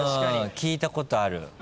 聞いたことある。